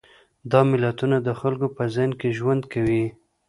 دا ملتونه د خلکو په ذهن کې ژوند کوي.